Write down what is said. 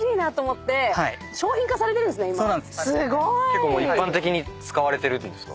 結構一般的に使われてるんですか？